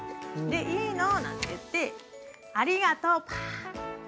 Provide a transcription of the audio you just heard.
いいななんて言って、ありがとうって。